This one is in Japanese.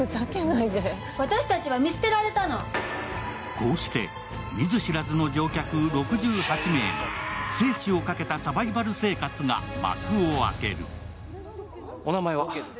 こうして見ず知らずの乗客６８名の生死をかけたサバイバル生活が幕を開ける。